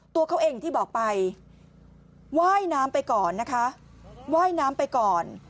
ตัวเขาเองที่บอกไปว่ายน้ำไปก่อนนะคะว่ายน้ำไปก่อน